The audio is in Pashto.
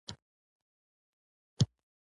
دغه ښار اوه سوه کاله د مسلمانانو تر واکمنۍ لاندې و.